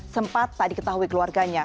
sempat tak diketahui keluarganya